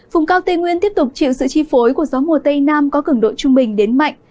vùng cao tây nguyên tiếp tục chịu sự chi phối của gió mùa tây nam có cứng độ trung bình đến mạnh